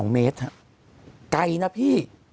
๒เมตรไกลนะพี่